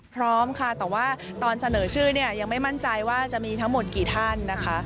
พร้อมค่ะแต่ว่าตอนเสนอชื่อเนี่ยยังไม่มั่นใจว่าจะมีทั้งหมดกี่ท่านนะคะ